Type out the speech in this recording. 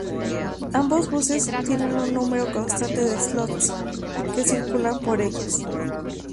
Ambos buses tienen un número constante de 'slots' que circulan por ellas.